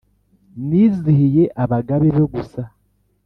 Nizihiye abagabe be gusa